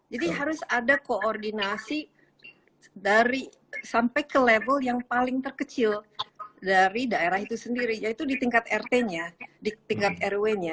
jadi harus ada koordinasi sampai ke level yang paling terkecil dari daerah itu sendiri yaitu di tingkat rt nya di tingkat rw nya